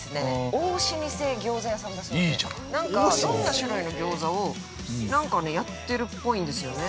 大老舗餃子屋さんだそうでいろんな種類の餃子をやってるっぽいんですよね。